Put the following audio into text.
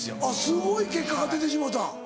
すごい結果が出てしもうた。